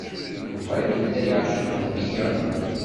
Yuba yella yeɛceq Dahbiya.